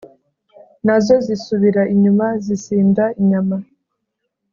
nazo zisubira inyuma zisinda inyama